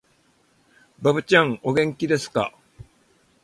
ばぶちゃん、お元気ですかー